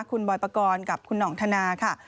คุณบอยปกรณ์กับคุณห่องธนาค่ะ